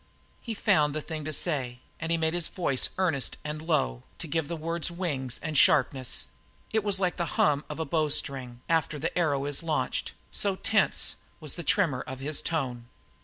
He found the thing to say, and he made his voice earnest and low to give the words wing and sharpness; it was like the hum of the bow string after the arrow is launched, so tense was the tremor of his tone.